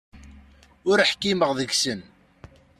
Ur ḥkimeɣ deg-sen.